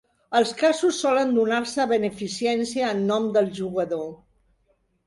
Els casos solen donar-se a beneficència en nom del jugador.